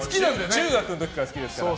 中学の時から好きですから。